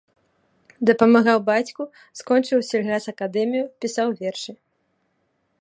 Дапамагаў бацьку, скончыў сельгасакадэмію, пісаў вершы.